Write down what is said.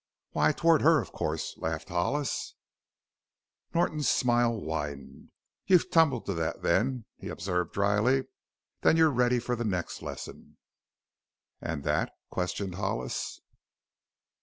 "Why, toward her, of course!" laughed Hollis. Norton's smile widened. "You've tumbled to that, then," he observed dryly. "Then you're ready for the next lesson." "And that?" questioned Hollis.